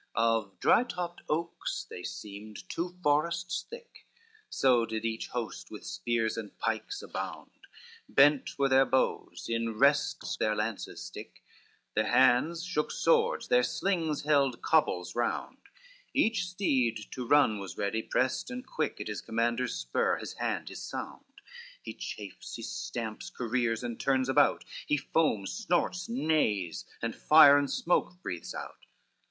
XXIX Of dry topped oaks they seemed two forests thick, So did each host with spears and pikes abound, Bent were their bows, in rests their lances stick, Their hands shook swords, their slings held cobbles round: Each steed to run was ready, prest and quick, At his commander's spur, his hand, his sound, He chafes, he stamps, careers, and turns about, He foams, snorts, neighs, and fire and smoke breathes out.